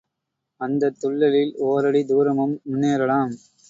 அந்தத் துள்ளலில் ஒரடி தூரமும் முன்னேறலாம்.